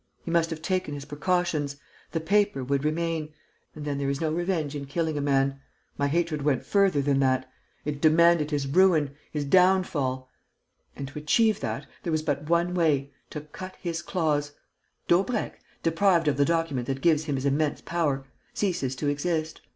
He must have taken his precautions. The paper would remain. And then there is no revenge in killing a man.... My hatred went further than that.... It demanded his ruin, his downfall; and, to achieve that, there was but one way: to cut his claws. Daubrecq, deprived of the document that gives him his immense power, ceases to exist.